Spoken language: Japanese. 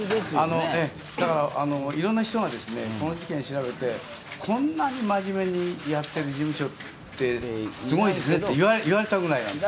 だからいろんな人がこの事件を調べてこんなに真面目にやっている事務所ってすごいですねっていわれたぐらいなんです。